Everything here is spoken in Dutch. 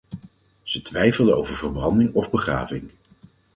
Ze twijfelde over verbranding of begraving.